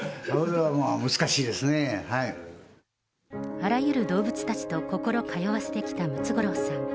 あらゆる動物たちと心通わせてきたムツゴロウさん。